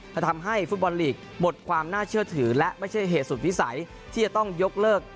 จะทำให้ฟุตบอลลีกหมดความน่าเชื่อถือและไม่ใช่เหตุสุดวิสัยที่จะต้องยกเลิก